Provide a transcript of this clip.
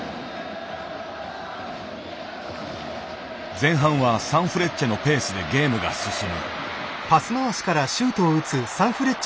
前半はサンフレッチェのペースでゲームが進む。